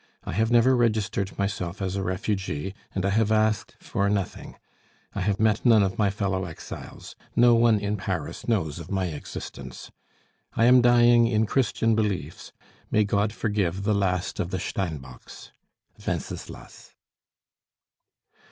I have never registered myself as a refugee, and I have asked for nothing; I have met none of my fellow exiles; no one in Paris knows of my existence. "I am dying in Christian beliefs. May God forgive the last of the Steinbocks! "WENCESLAS."